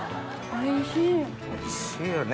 おいしいよね！